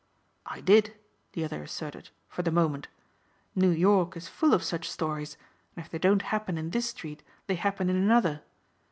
"I did," the other asserted, "for the moment. New York is full of such stories and if they don't happen in this street they happen in another.